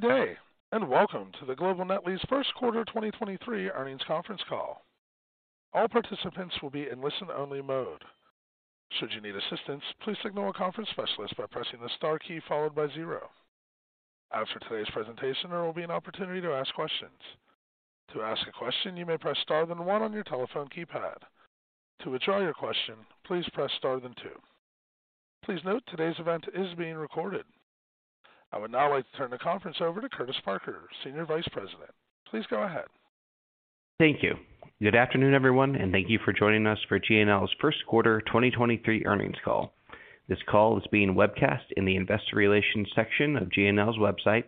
Good day, and welcome to the Global Net Lease first quarter 2023 earnings conference call. All participants will be in listen only mode. Should you need assistance, please signal a conference specialist by pressing the star key followed by zero. After today's presentation, there will be an opportunity to ask questions. To ask a question, you may press Star then one on your telephone keypad. To withdraw your question, please press Star then two. Please note today's event is being recorded. I would now like to turn the conference over to Curtis Parker, Senior Vice President. Please go ahead. Thank you. Good afternoon, everyone, and thank you for joining us for GNL's first quarter 2023 earnings call. This call is being webcast in the investor relations section of GNL's website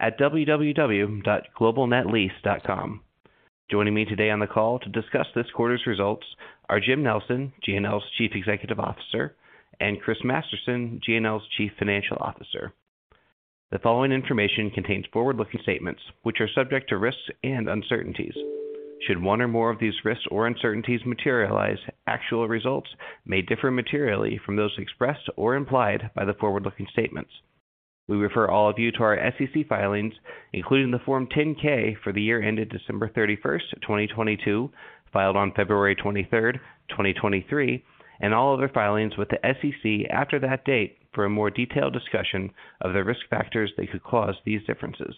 at www.globalnetlease.com. Joining me today on the call to discuss this quarter's results are Jim Nelson, GNL's Chief Executive Officer, and Chris Masterson, GNL's Chief Financial Officer. The following information contains forward-looking statements which are subject to risks and uncertainties. Should one or more of these risks or uncertainties materialize, actual results may differ materially from those expressed or implied by the forward-looking statements. We refer all of you to our SEC filings, including the Form 10-K for the year ended December 31, 2022, filed on February 23, 2023, and all other filings with the SEC after that date for a more detailed discussion of the risk factors that could cause these differences.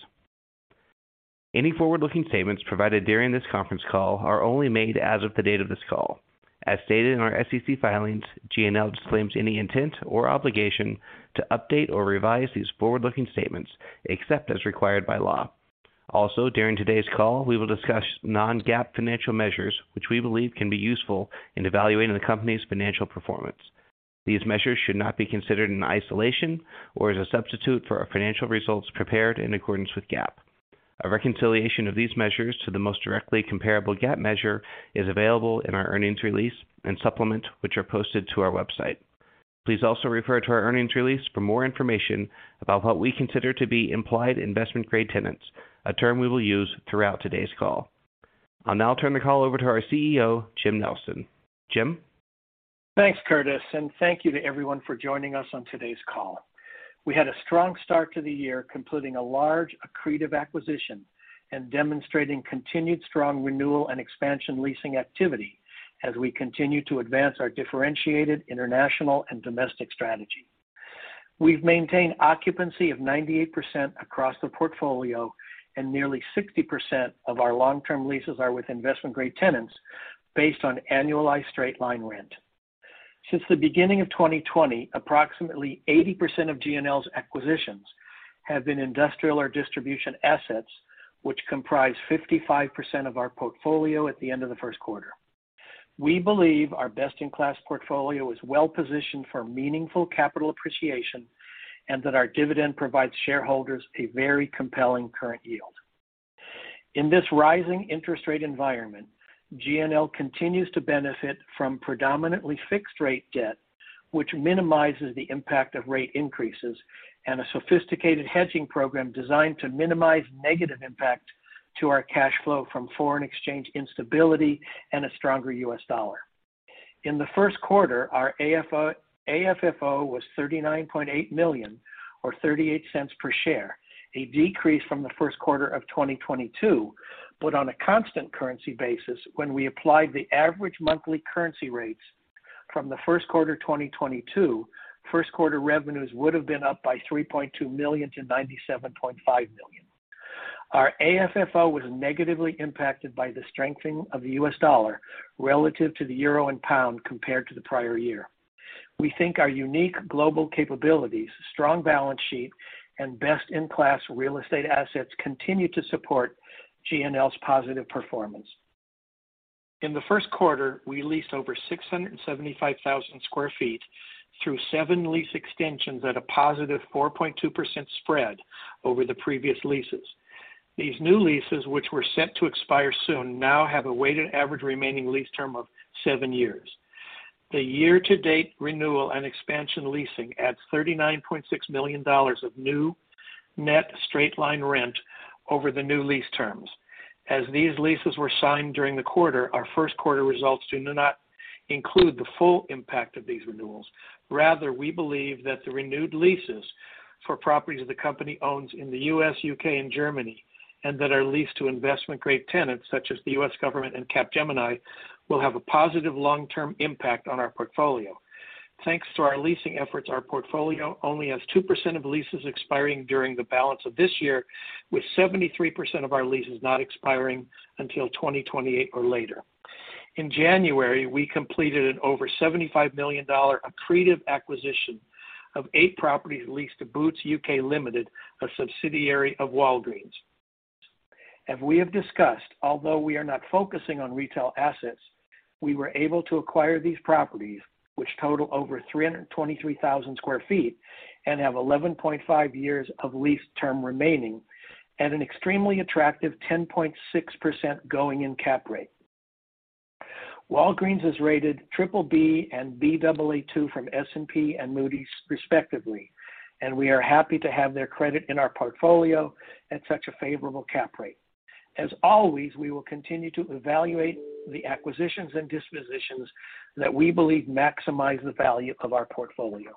Any forward-looking statements provided during this conference call are only made as of the date of this call. As stated in our SEC filings, GNL disclaims any intent or obligation to update or revise these forward-looking statements except as required by law. Also, during today's call, we will discuss non-GAAP financial measures, which we believe can be useful in evaluating the company's financial performance. These measures should not be considered in isolation or as a substitute for our financial results prepared in accordance with GAAP. A reconciliation of these measures to the most directly comparable GAAP measure is available in our earnings release and supplement, which are posted to our website. Please also refer to our earnings release for more information about what we consider to be Implied Investment Grade tenants, a term we will use throughout today's call. I'll now turn the call over to our CEO, Jim Nelson. Jim. Thanks, Curtis. Thank you to everyone for joining us on today's call. We had a strong start to the year, completing a large accretive acquisition and demonstrating continued strong renewal and expansion leasing activity as we continue to advance our differentiated international and domestic strategy. We've maintained occupancy of 98% across the portfolio, and nearly 60% of our long-term leases are with investment-grade tenants based on annualized straight-line rent. Since the beginning of 2020, approximately 80% of GNL's acquisitions have been industrial or distribution assets, which comprise 55% of our portfolio at the end of the first quarter. We believe our best in class portfolio is well positioned for meaningful capital appreciation and that our dividend provides shareholders a very compelling current yield. In this rising interest rate environment, GNL continues to benefit from predominantly fixed rate debt, which minimizes the impact of rate increases and a sophisticated hedging program designed to minimize negative impact to our cash flow from foreign exchange instability and a stronger US dollar. In the first quarter, our AFFO was $39.8 million or $0.38 per share, a decrease from the first quarter of 2022. On a constant currency basis, when we applied the average monthly currency rates from the first quarter 2022, first quarter revenues would have been up by $3.2 million to $97.5 million. Our AFFO was negatively impacted by the strengthening of the US dollar relative to the euro and pound compared to the prior year. We think our unique global capabilities, strong balance sheet, and best in class real estate assets continue to support GNL's positive performance. In the first quarter, we leased over 675,000 square feet through seven lease extensions at a positive 4.2% spread over the previous leases. These new leases, which were set to expire soon, now have a weighted average remaining lease term of seven years. The year to date renewal and expansion leasing adds $39.6 million of new net straight line rent over the new lease terms. As these leases were signed during the quarter, our first quarter results do not include the full impact of these renewals. Rather, we believe that the renewed leases for properties the company owns in the U.S., U.K. and Germany and that are leased to investment grade tenants such as the U.S. government and Capgemini will have a positive long term impact on our portfolio. Thanks to our leasing efforts, our portfolio only has 2% of leases expiring during the balance of this year, with 73% of our leases not expiring until 2028 or later. In January, we completed an over $75 million accretive acquisition of eight properties leased to Boots UK Limited, a subsidiary of Walgreens. As we have discussed, although we are not focusing on retail assets, we were able to acquire these properties which total over 323,000 sq ft and have 11.5 years of lease term remaining at an extremely attractive 10.6% going in cap rate. Walgreens is rated BBB and Baa2 from S&P and Moody's respectively. We are happy to have their credit in our portfolio at such a favorable cap rate. As always, we will continue to evaluate the acquisitions and dispositions that we believe maximize the value of our portfolio.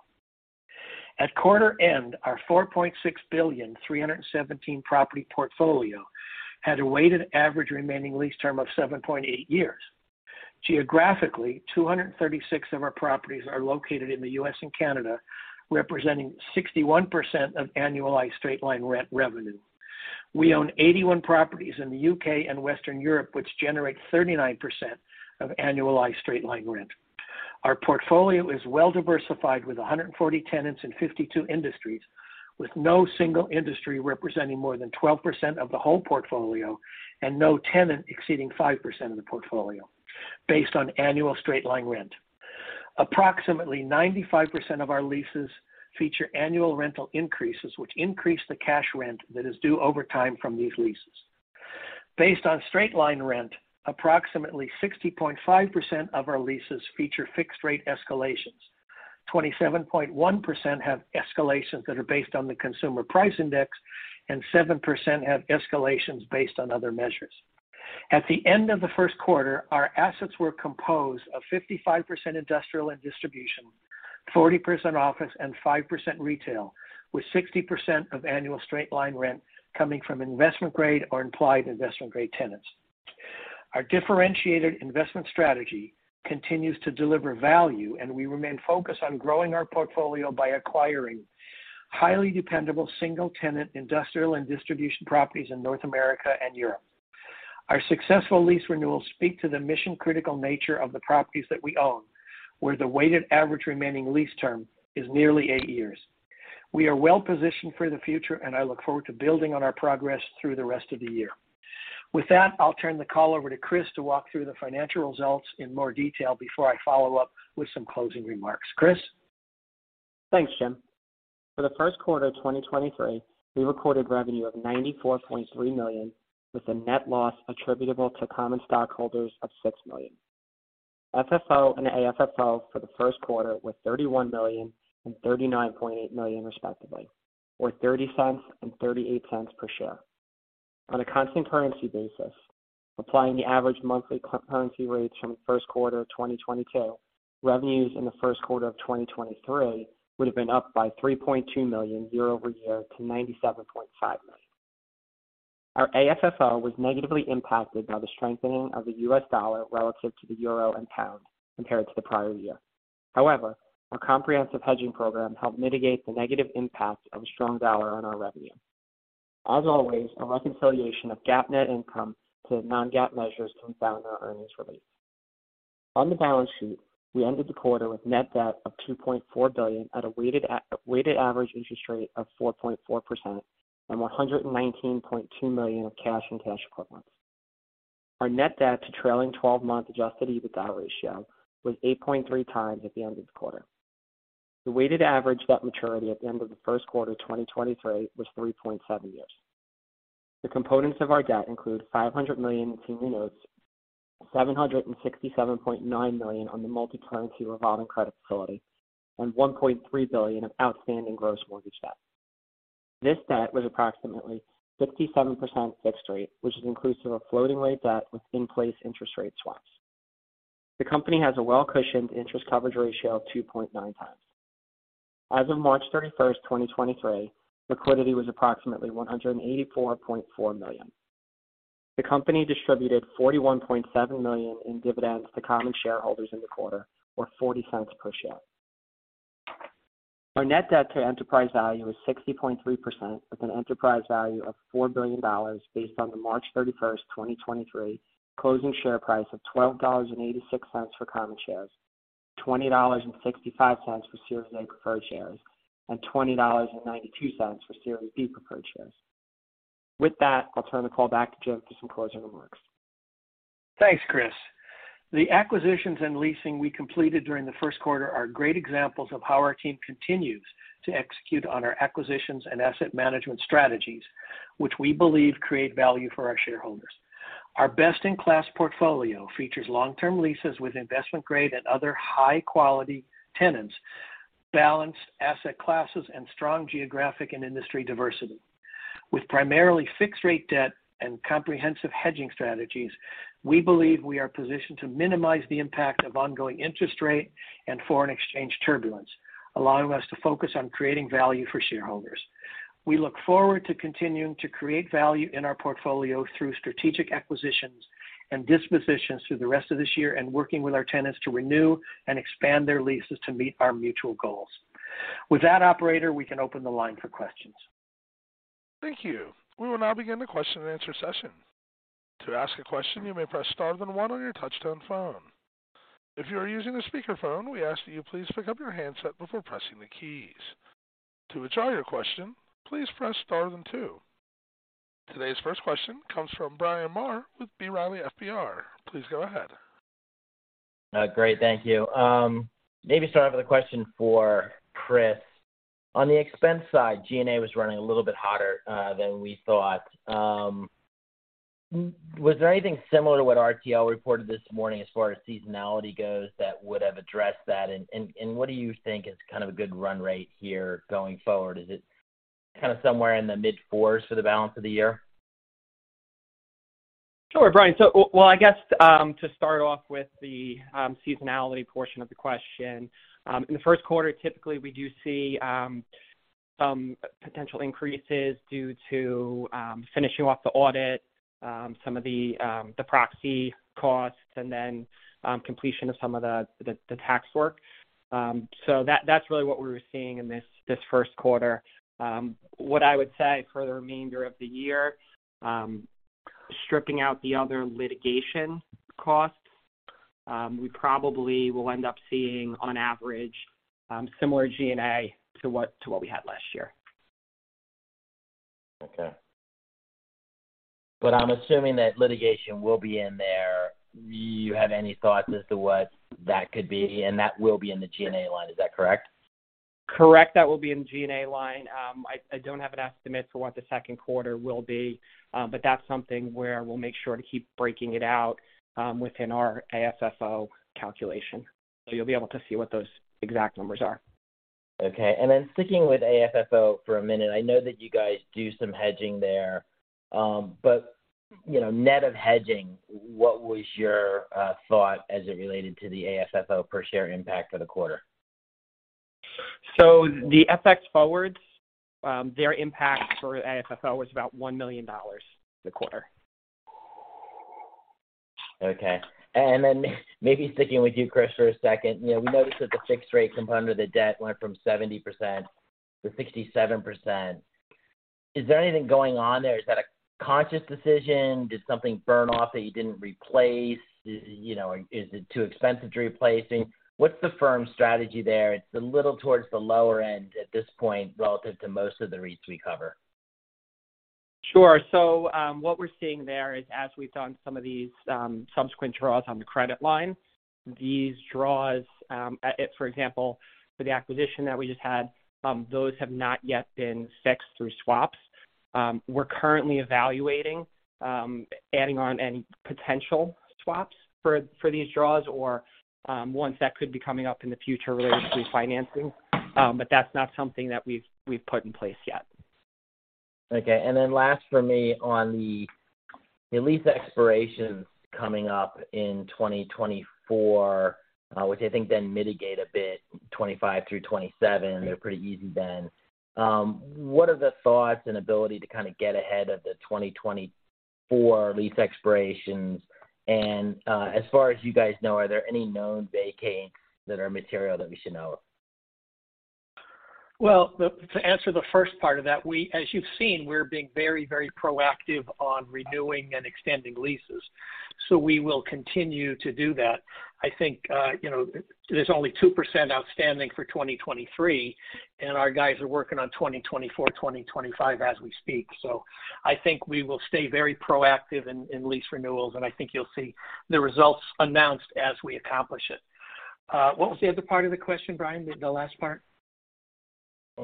At quarter end, our $4.6 billion 317 property portfolio had a weighted average remaining lease term of 7.8 years. Geographically, 236 of our properties are located in the U.S. and Canada, representing 61% of annualized straight-line rent revenue. We own 81 properties in the U.K. and Western Europe, which generate 39% of annualized straight-line rent. Our portfolio is well diversified with 140 tenants in 52 industries, with no single industry representing more than 12% of the whole portfolio and no tenant exceeding 5% of the portfolio based on annual straight-line rent. Approximately 95% of our leases feature annual rental increases, which increase the cash rent that is due over time from these leases. Based on straight-line rent, approximately 60.5% of our leases feature fixed rate escalations. 27.1% have escalations that are based on the Consumer Price Index, and 7% have escalations based on other measures. At the end of the first quarter, our assets were composed of 55% industrial and distribution, 40% office, and 5% retail, with 60% of annual straight-line rent coming from investment grade or Implied Investment Grade tenants. Our differentiated investment strategy continues to deliver value. We remain focused on growing our portfolio by acquiring highly dependable single tenant industrial and distribution properties in North America and Europe. Our successful lease renewals speak to the mission-critical nature of the properties that we own, where the weighted average remaining lease term is nearly 8 years. We are well positioned for the future. I look forward to building on our progress through the rest of the year. With that, I'll turn the call over to Chris to walk through the financial results in more detail before I follow up with some closing remarks. Chris? Thanks, Jim. For the first quarter of 2023, we recorded revenue of $94.3 million, with a net loss attributable to common stockholders of $6 million. FFO and AFFO for the first quarter were $31 million and $39.8 million, respectively, or $0.30 and $0.38 per share. On a constant currency basis, applying the average monthly currency rates from the first quarter of 2022, revenues in the first quarter of 2023 would have been up by $3.2 million year-over-year to $97.5 million. Our AFFO was negatively impacted by the strengthening of the US dollar relative to the euro and pound compared to the prior year. Our comprehensive hedging program helped mitigate the negative impact of strong dollar on our revenue. As always, a reconciliation of GAAP net income to non-GAAP measures can be found in our earnings release. On the balance sheet, we ended the quarter with net debt of $2.4 billion at a weighted average interest rate of 4.4% and $119.2 million of cash and cash equivalents. Our net debt to trailing twelve-month Adjusted EBITDA ratio was 8.3x at the end of the quarter. The weighted average debt maturity at the end of the first quarter of 2023 was 3.7 years. The components of our debt include $500 million in senior notes, $767.9 million on the multicurrency revolving credit facility, and $1.3 billion of outstanding gross mortgage debt. This debt was approximately 67% fixed rate, which is inclusive of floating rate debt with in-place interest rate swaps. The company has a well-cushioned interest coverage ratio of 2.9x. As of March 31, 2023, liquidity was approximately $184.4 million. The company distributed $41.7 million in dividends to common shareholders in the quarter, or $0.40 per share. Our net debt to enterprise value is 60.3%, with an enterprise value of $4 billion based on the March 31, 2023 closing share price of $12.86 for common shares, $20.65 for Series A Preferred Stock, and $20.92 for Series B Preferred Stock. With that, I'll turn the call back to Jim for some closing remarks. Thanks, Chris. The acquisitions and leasing we completed during the first quarter are great examples of how our team continues to execute on our acquisitions and asset management strategies, which we believe create value for our shareholders. Our best-in-class portfolio features long-term leases with investment grade and other high-quality tenants, balanced asset classes, and strong geographic and industry diversity. With primarily fixed rate debt and comprehensive hedging strategies, we believe we are positioned to minimize the impact of ongoing interest rate and foreign exchange turbulence, allowing us to focus on creating value for shareholders. We look forward to continuing to create value in our portfolio through strategic acquisitions and dispositions through the rest of this year and working with our tenants to renew and expand their leases to meet our mutual goals. With that, operator, we can open the line for questions. Thank you. We will now begin the question and answer session. To ask a question, you may press star then one on your touchtone phone. If you are using a speakerphone, we ask that you please pick up your handset before pressing the keys. To withdraw your question, please press star then two. Today's first question comes from Bryan Maher with B. Riley Securities. Please go ahead. Great, thank you. Maybe start off with a question for Chris. On the expense side, G&A was running a little bit hotter than we thought. Was there anything similar to what RTL reported this morning as far as seasonality goes that would have addressed that? What do you think is kind of a good run rate here going forward? Is it kind of somewhere in the mid-fours for the balance of the year? Sure, Bryan. Well, I guess, to start off with the seasonality portion of the question, in the first quarter, typically, we do see some potential increases due to finishing off the audit, some of the proxy costs, and then completion of some of the tax work. That's really what we're seeing in this first quarter. What I would say for the remainder of the year, stripping out the other litigation costs, we probably will end up seeing on average similar G&A to what we had last year. Okay. I'm assuming that litigation will be in there. Do you have any thoughts as to what that could be? That will be in the G&A line, is that correct? Correct. That will be in G&A line. I don't have an estimate for what the second quarter will be, but that's something where we'll make sure to keep breaking it out within our AFFO calculation. You'll be able to see what those exact numbers are. Okay. Sticking with AFFO for a minute. I know that you guys do some hedging there. But, you know, net of hedging, what was your thought as it related to the AFFO per share impact for the quarter? The FX forwards, their impact for AFFO was about $1 million this quarter. Okay. Then maybe sticking with you, Chris, for a second. You know, we noticed that the fixed rate component of the debt went from 70% to 67%. Is there anything going on there? Is that a conscious decision? Did something burn off that you didn't replace? You know, is it too expensive to replace? What's the firm's strategy there? It's a little towards the lower end at this point relative to most of the REITs we cover. Sure. What we're seeing there is as we've done some of these, subsequent draws on the credit line. These draws, for example, for the acquisition that we just had, those have not yet been fixed through swaps. We're currently evaluating, adding on any potential swaps for these draws or, ones that could be coming up in the future related to refinancing. That's not something that we've put in place yet. Okay. Last for me on the lease expirations coming up in 2024, which I think then mitigate a bit 2025-2027. They're pretty easy then. What are the thoughts and ability to get ahead of the 2024 lease expirations? As far as you guys know, are there any known vacates that are material that we should know of? Well, to answer the first part of that, as you've seen, we're being very, very proactive on renewing and extending leases. We will continue to do that. I think, you know, there's only 2% outstanding for 2023, and our guys are working on 2024, 2025 as we speak. I think we will stay very proactive in lease renewals, and I think you'll see the results announced as we accomplish it. What was the other part of the question, Bryan? The last part.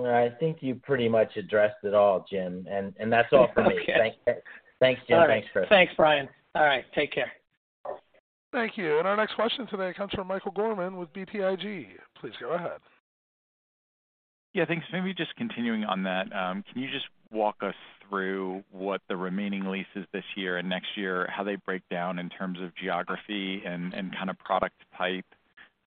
I think you pretty much addressed it all, Jim. That's all for me. Okay. Thanks, Jim. Thanks, Chris. Thanks, Bryan. All right, take care. Thank you. Our next question today comes from Michael Gorman with BTIG. Please go ahead. Yeah, thanks. Maybe just continuing on that. Can you just walk us through what the remaining leases this year and next year, how they break down in terms of geography and kind of product type,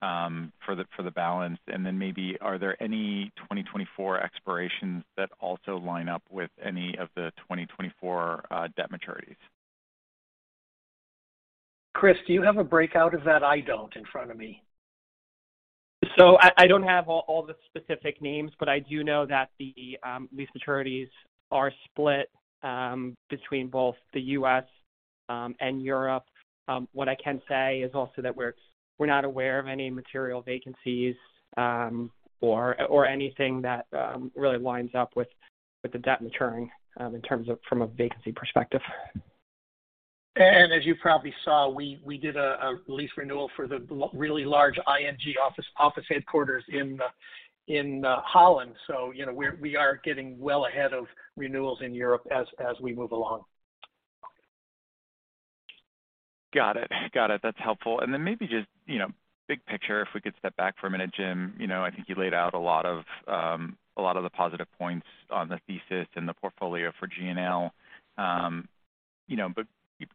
for the, for the balance? Maybe are there any 2024 expirations that also line up with any of the 2024 debt maturities? Chris, do you have a breakout of that? I don't in front of me. I don't have all the specific names, but I do know that the lease maturities are split between both the U.S. and Europe. What I can say is also that we're not aware of any material vacancies, or anything that really lines up with the debt maturing in terms of from a vacancy perspective. As you probably saw, we did a lease renewal for the really large ING office headquarters in Holland. You know, we are getting well ahead of renewals in Europe as we move along. Got it. Got it. That's helpful. Maybe just, you know, big picture, if we could step back for a minute, Jim. You know, I think you laid out a lot of, a lot of the positive points on the thesis and the portfolio for GNL. You know,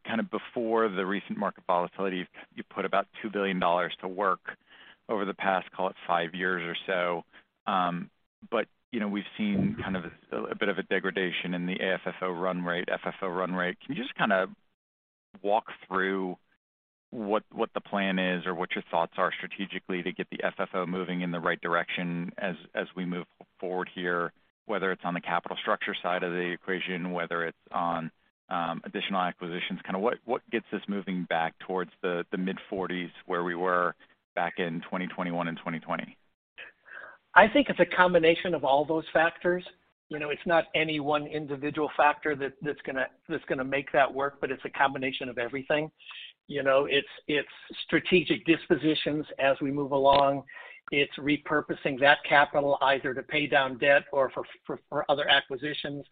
kind of before the recent market volatility, you put about $2 billion to work over the past, call it five years or so. You know, we've seen kind of a bit of a degradation in the AFFO run rate, FFO run rate. Can you just kinda walk through what the plan is or what your thoughts are strategically to get the FFO moving in the right direction as we move forward here, whether it's on the capital structure side of the equation, whether it's on additional acquisitions, kind of what gets this moving back towards the mid-forties where we were back in 2021 and 2020? I think it's a combination of all those factors. You know, it's not any one individual factor that's gonna make that work, but it's a combination of everything. You know, it's strategic dispositions as we move along. It's repurposing that capital either to pay down debt or for other acquisitions.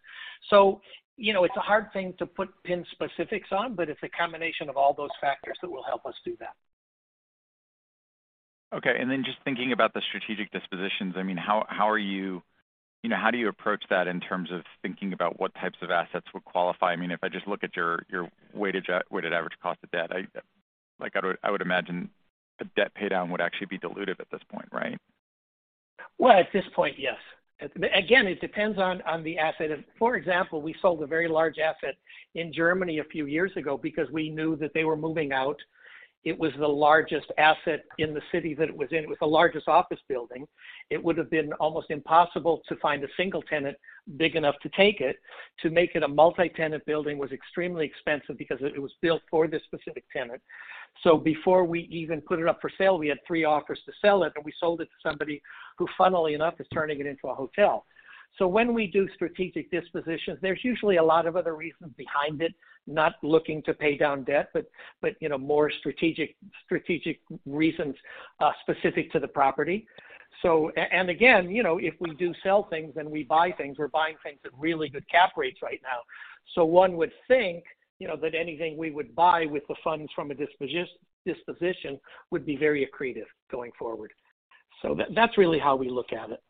You know, it's a hard thing to put pin specifics on, but it's a combination of all those factors that will help us do that. Okay. Then just thinking about the strategic dispositions, I mean, You know, how do you approach that in terms of thinking about what types of assets would qualify? I mean, if I just look at your weighted average cost of debt, I, like, I would imagine a debt pay down would actually be dilutive at this point, right? Well, at this point, yes. Again, it depends on the asset. For example, we sold a very large asset in Germany a few years ago because we knew that they were moving out. It was the largest asset in the city that it was in. It was the largest office building. It would have been almost impossible to find a single tenant big enough to take it. To make it a multi-tenant building was extremely expensive because it was built for this specific tenant. Before we even put it up for sale, we had 3 offers to sell it, and we sold it to somebody who, funnily enough, is turning it into a hotel. When we do strategic dispositions, there's usually a lot of other reasons behind it, not looking to pay down debt, but, you know, more strategic reasons specific to the property. And again, you know, if we do sell things and we buy things, we're buying things at really good cap rates right now. One would think, you know, that anything we would buy with the funds from a disposition would be very accretive going forward. That's really how we look at it.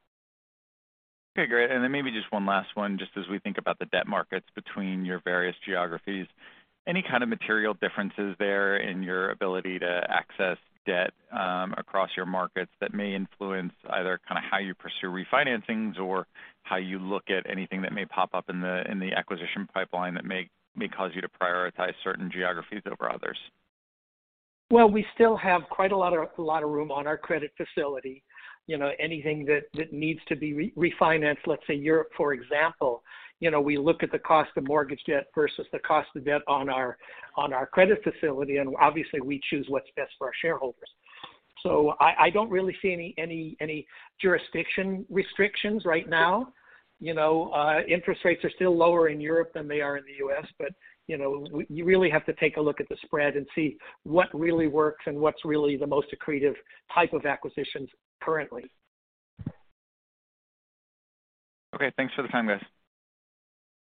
Okay, great. Then maybe just one last one. Just as we think about the debt markets between your various geographies, any kind of material differences there in your ability to access debt, across your markets that may influence either kind of how you pursue refinancings or how you look at anything that may pop up in the, in the acquisition pipeline that may cause you to prioritize certain geographies over others? Well, we still have quite a lot of room on our credit facility. You know, anything that needs to be refinanced, let's say Europe, for example, you know, we look at the cost of mortgage debt versus the cost of debt on our credit facility. Obviously we choose what's best for our shareholders. I don't really see any jurisdiction restrictions right now. You know, interest rates are still lower in Europe than they are in the US. You know, you really have to take a look at the spread and see what really works and what's really the most accretive type of acquisitions currently. Okay, thanks for the time, guys.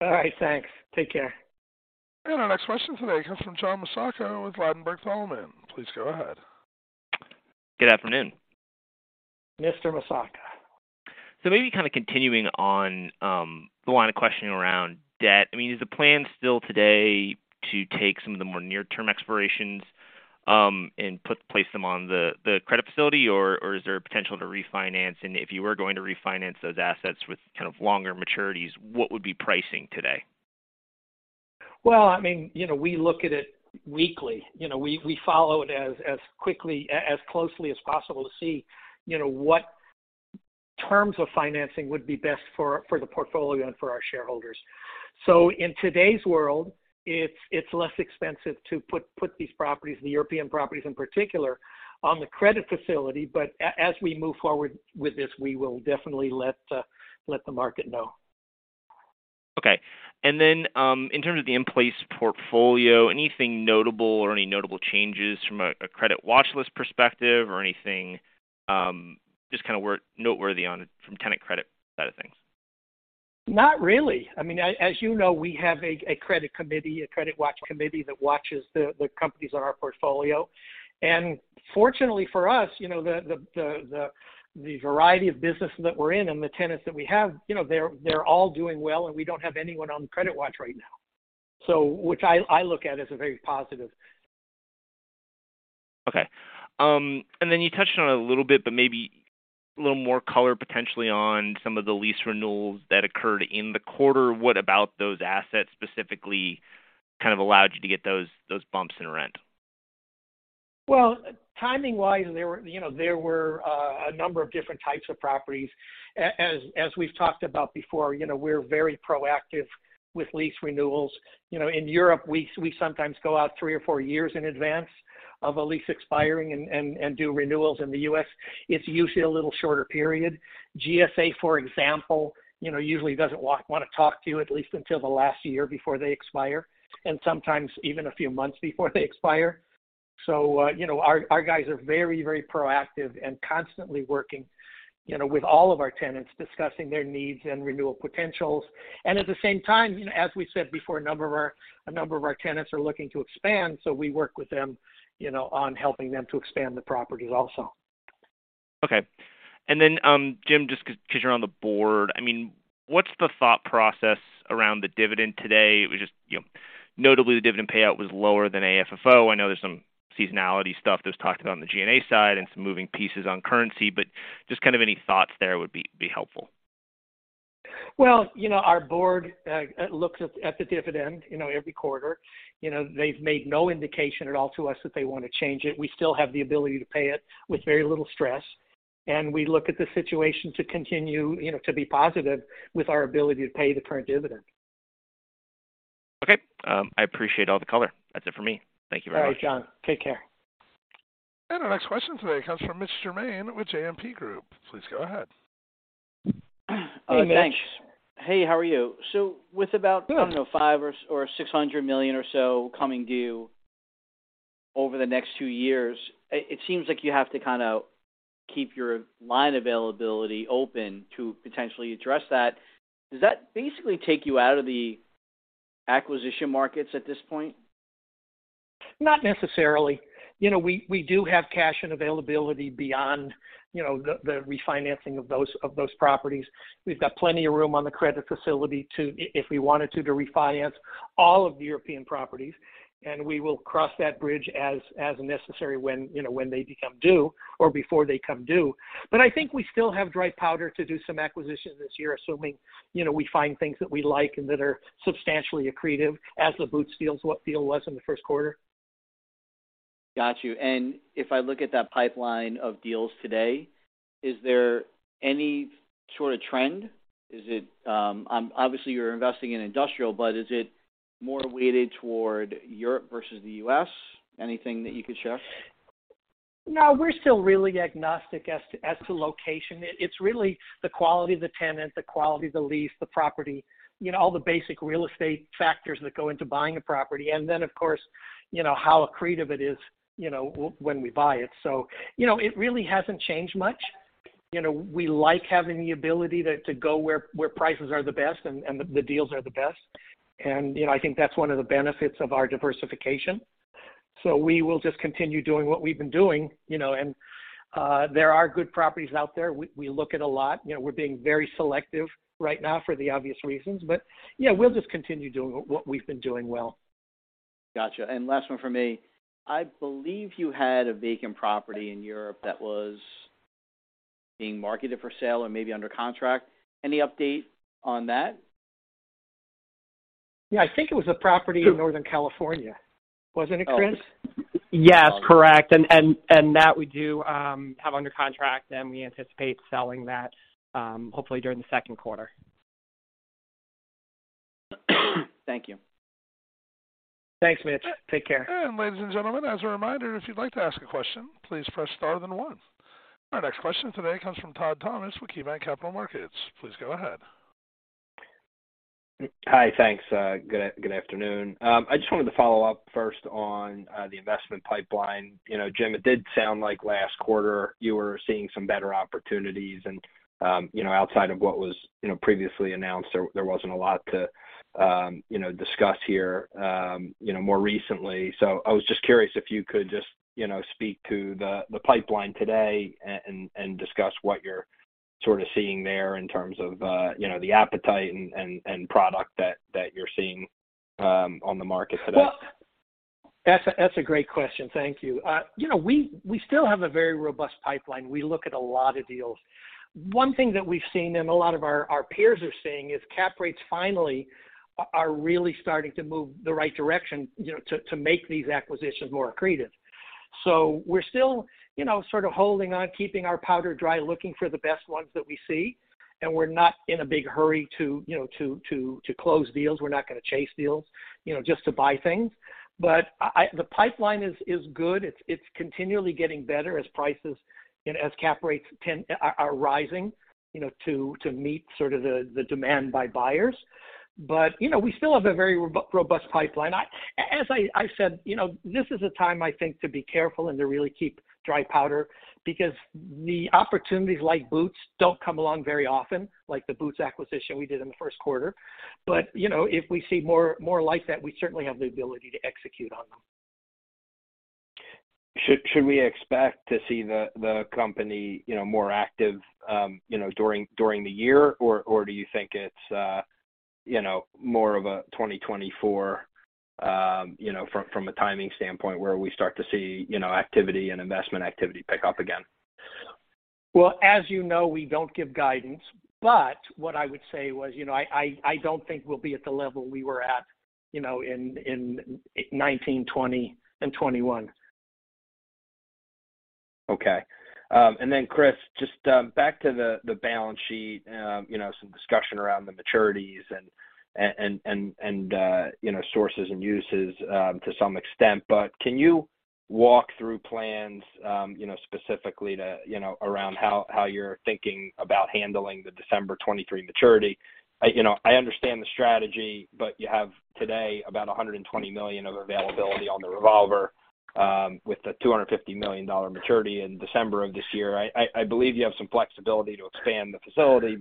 All right, thanks. Take care. Our next question today comes from John Massocca with Ladenburg Thalmann. Please go ahead. Good afternoon. Mr. Massocca. Maybe kind of continuing on the line of questioning around debt. I mean, is the plan still today to take some of the more near-term expirations and place them on the credit facility, or is there potential to refinance? If you were going to refinance those assets with kind of longer maturities, what would be pricing today? Well, I mean, you know, we look at it weekly. You know, we follow it as quickly as closely as possible to see, you know, what terms of financing would be best for the portfolio and for our shareholders. In today's world, it's less expensive to put these properties, the European properties in particular, on the credit facility. As we move forward with this, we will definitely let the market know. Okay. In terms of the in-place portfolio, anything notable or any notable changes from a credit watch list perspective or anything, just kind of noteworthy on it from tenant credit side of things? Not really. I mean, as you know, we have a credit committee, a credit watch committee that watches the companies on our portfolio. Fortunately for us, you know, the variety of business that we're in and the tenants that we have, you know, they're all doing well, and we don't have anyone on credit watch right now. Which I look at as a very positive. Then you touched on it a little bit, but maybe a little more color potentially on some of the lease renewals that occurred in the quarter. What about those assets specifically kind of allowed you to get those bumps in rent? Well, timing wise, there were, you know, a number of different types of properties. As we've talked about before, you know, we're very proactive with lease renewals. You know, in Europe, we sometimes go out three or four years in advance of a lease expiring and do renewals. In the U.S., it's usually a little shorter period. GSA, for example, you know, usually doesn't want to talk to you at least until the last year before they expire, and sometimes even a few months before they expire. Our guys are very proactive and constantly working, you know, with all of our tenants, discussing their needs and renewal potentials. At the same time, you know, as we said before, a number of our tenants are looking to expand, so we work with them, you know, on helping them to expand the properties also. Okay. Jim, just cause you're on the board, I mean, what's the thought process around the dividend today? It was just, you know, notably the dividend payout was lower than AFFO. I know there's some seasonality stuff that was talked about on the G&A side and some moving pieces on currency, but just kind of any thoughts there would be helpful. You know, our board looks at the dividend, you know, every quarter. They've made no indication at all to us that they wanna change it. We still have the ability to pay it with very little stress. We look at the situation to continue, you know, to be positive with our ability to pay the current dividend. Okay. I appreciate all the color. That's it for me. Thank you very much. All right, John. Take care. Our next question today comes from Mitch Germain with JMP Securities. Please go ahead. Hey, Mitch. Thanks. Hey, how are you? Good. I don't know, $500 million or $600 million or so coming due over the next two years, it seems like you have to kind of keep your line availability open to potentially address that. Does that basically take you out of the? acquisition markets at this point? Not necessarily. You know, we do have cash and availability beyond, you know, the refinancing of those properties. We've got plenty of room on the credit facility to, if we wanted to refinance all of the European properties, and we will cross that bridge as necessary when, you know, when they become due or before they come due. I think we still have dry powder to do some acquisition this year, assuming, you know, we find things that we like and that are substantially accretive as the Boots deal, what the deal was in the first quarter. Got you. If I look at that pipeline of deals today, is there any sort of trend? Is it obviously you're investing in industrial, but is it more weighted toward Europe versus the U.S.? Anything that you could share? No, we're still really agnostic as to location. It's really the quality of the tenant, the quality of the lease, the property, you know, all the basic real estate factors that go into buying a property. Then, of course, you know, how accretive it is, you know, when we buy it. You know, it really hasn't changed much. You know, we like having the ability to go where prices are the best and the deals are the best. You know, I think that's one of the benefits of our diversification. We will just continue doing what we've been doing, you know, and there are good properties out there. We look at a lot. You know, we're being very selective right now for the obvious reasons, but yeah, we'll just continue doing what we've been doing well. Gotcha. Last one from me. I believe you had a vacant property in Europe that was being marketed for sale or maybe under contract. Any update on that? Yeah. I think it was a property in Northern California. Wasn't it, Chris? Yes. Correct. That we do, have under contract, and we anticipate selling that, hopefully during the second quarter. Thank you. Thanks, Mitch. Take care. Ladies and gentlemen, as a reminder, if you'd like to ask a question, please press star then one. Our next question today comes from Todd Thomas with KeyBanc Capital Markets. Please go ahead. Hi. Thanks. Good afternoon. I just wanted to follow up first on the investment pipeline. You know, Jim, it did sound like last quarter you were seeing some better opportunities and, you know, outside of what was, you know, previously announced there wasn't a lot to, you know, discuss here, you know, more recently. I was just curious if you could just, you know, speak to the pipeline today and discuss what you're sort of seeing there in terms of, you know, the appetite and product that you're seeing on the market today? Well, that's a great question. Thank you. You know, we still have a very robust pipeline. We look at a lot of deals. One thing that we've seen and a lot of our peers are seeing is cap rates finally are really starting to move the right direction, you know, to make these acquisitions more accretive. We're still, you know, sort of holding on, keeping our powder dry, looking for the best ones that we see, and we're not in a big hurry to, you know, to close deals. We're not gonna chase deals, you know, just to buy things. The pipeline is good. It's continually getting better as prices and as cap rates tend are rising, you know, to meet sort of the demand by buyers. You know, we still have a very robust pipeline. As I said, you know, this is a time I think to be careful and to really keep dry powder because the opportunities like Boots don't come along very often, like the Boots acquisition we did in the first quarter. You know, if we see more like that, we certainly have the ability to execute on them. Should we expect to see the company, you know, more active, you know, during the year? Or do you think it's, you know, more of a 2024, you know, from a timing standpoint where we start to see, you know, activity and investment activity pick up again? Well, as you know, we don't give guidance. What I would say was, you know, I don't think we'll be at the level we were at, you know, in 2019, 2020 and 2021. Okay. And then Chris, just back to the balance sheet. You know, some discussion around the maturities and, and, you know, sources and uses, to some extent. Can you walk through plans, you know, specifically to, you know, around how you're thinking about handling the December 2023 maturity? I, you know, I understand the strategy, but you have today about $120 million of availability on the revolver, with the $250 million maturity in December of this year. I believe you have some flexibility to expand the facility,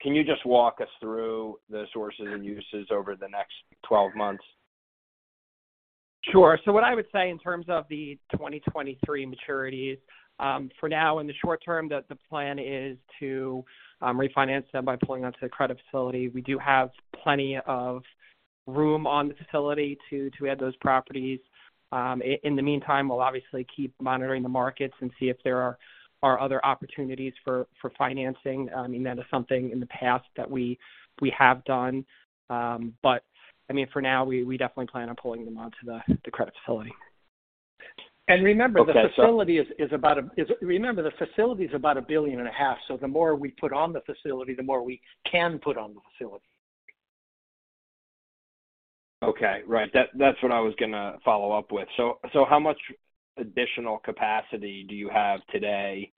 can you just walk us through the sources and uses over the next 12 months? Sure. What I would say in terms of the 2023 maturities, for now in the short term, the plan is to refinance them by pulling onto the credit facility. We do have plenty of room on the facility to add those properties. In the meantime, we'll obviously keep monitoring the markets and see if there are other opportunities for financing. I mean, that is something in the past that we have done. I mean, for now, we definitely plan on pulling them onto the credit facility. remember. Okay. Remember, the facility is about a billion and a half. The more we put on the facility, the more we can put on the facility. Okay. Right. That's what I was gonna follow up with. How much additional capacity do you have today,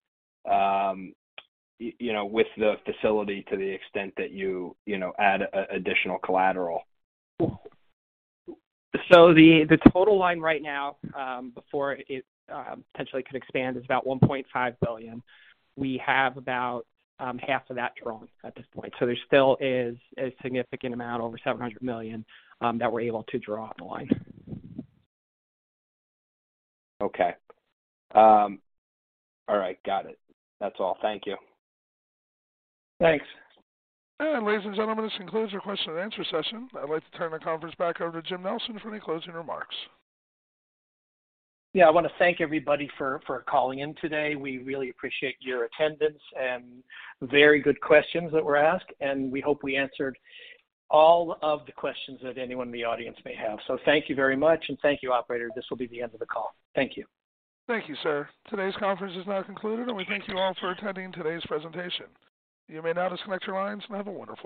you know, with the facility to the extent that you know, additional collateral? The total line right now, before it, potentially could expand is about $1.5 billion. We have about half of that drawn at this point. There still is a significant amount, over $700 million, that we're able to draw on the line. Okay. All right. Got it. That's all. Thank you. Thanks. Ladies and gentlemen, this concludes your question and answer session. I'd like to turn the conference back over to Jim Nelson for any closing remarks. Yeah. I wanna thank everybody for calling in today. We really appreciate your attendance and very good questions that were asked, and we hope we answered all of the questions that anyone in the audience may have. Thank you very much. Thank you, operator. This will be the end of the call. Thank you. Thank you, sir. Today's conference is now concluded, and we thank you all for attending today's presentation. You may now disconnect your lines and have a wonderful day.